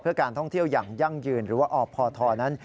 เพื่อการท่องเที่ยวอย่างยั่งยืนหรือว่าอพทนั้น